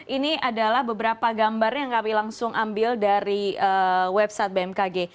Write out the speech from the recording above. ini adalah beberapa gambar yang kami langsung ambil dari website bmkg